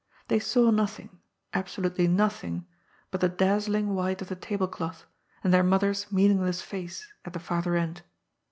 They saw nothing — absolutely noth ing — ^but the dazzling white of the tablecloth, and their mother's meaningless face at the farther end.